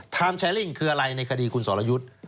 แชร์ลิ่งคืออะไรในคดีคุณสรยุทธ์